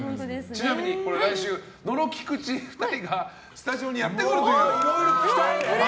ちなみに来週野呂、菊地の２人がスタジオにやってくると。